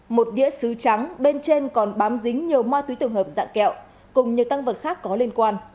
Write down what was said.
một đĩa xứ trắng bên trên còn bám dính nhiều ma túy tổng hợp dạng kẹo cùng nhiều tăng vật khác có liên quan